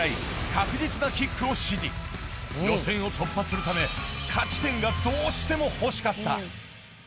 確実なキックを指示予選を突破するため勝ち点がどうしても欲しかった